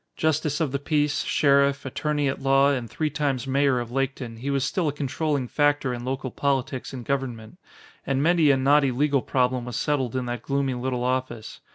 Justice of the peace, sheriff, attorney at law, and three times Mayor of Laketon, he was still a controlling factor in local politics and government. And many a knotty legal problem was settled in that gloomy little office.